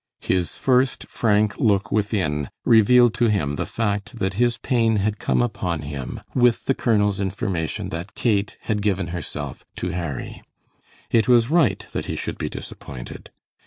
His first frank look within revealed to him the fact that his pain had come upon him with the colonel's information that Kate had given herself to Harry. It was right that he should be disappointed.